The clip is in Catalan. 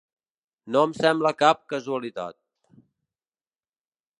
No em sembla cap casualitat.